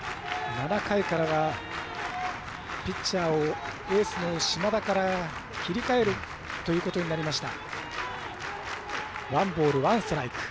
７回からはピッチャーをエースの島田から切り替えるということになりました。